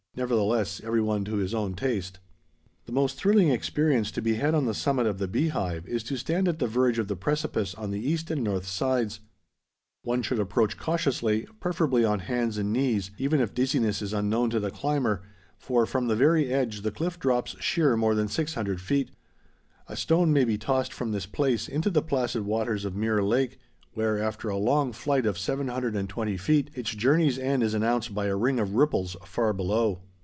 Nevertheless every one to his own taste. The most thrilling experience to be had on the summit of the Beehive is to stand at the verge of the precipice on the east and north sides. One should approach cautiously, preferably on hands and knees, even if dizziness is unknown to the climber, for from the very edge the cliff drops sheer more than 600 feet. A stone may be tossed from this place into the placid waters of Mirror Lake, where after a long flight of 720 feet, its journey's end is announced by a ring of ripples far below.